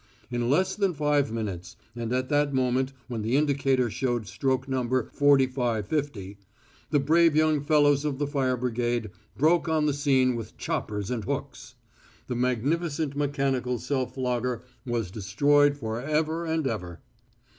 In less than five minutes, and at that moment when the indicator showed stroke No. 4550, the brave young fellows of the fire brigade broke on the scene with choppers and hooks. The magnificent mechanical self flogger was destroyed for ever and ever.